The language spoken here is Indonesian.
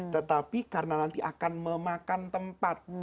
tetapi karena nanti akan memakan tempat